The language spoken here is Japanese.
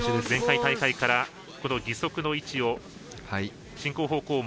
前回大会から義足の位置を進行方向